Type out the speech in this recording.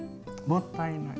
もったいない。